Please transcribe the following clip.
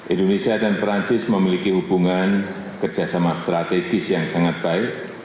indonesia dan perancis memiliki hubungan kerjasama strategis yang sangat baik